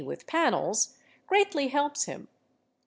with panels, greatly helps him.